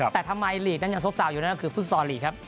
แต่ทำไมลีกนั้นยังซบซาวอยู่นั่นก็คือฟุตซอลลีกครับ